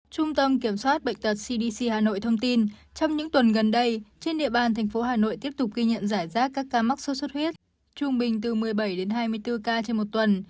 trung tâm kiểm soát bệnh tật cdc hà nội thông tin trong những tuần gần đây trên địa bàn thành phố hà nội tiếp tục ghi nhận giải rác các ca mắc sốt xuất huyết trung bình từ một mươi bảy đến hai mươi bốn ca trên một tuần